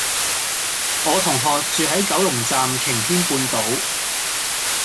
我同學住喺九龍站擎天半島